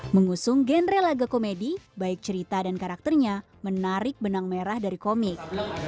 mengusung genre laga komedi baik cerita dan karakternya menarik benang merah dari komik